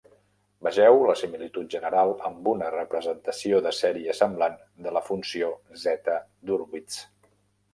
Vegeu la similitud general amb una representació de sèrie semblant de la funció zeta d'Hurwitz.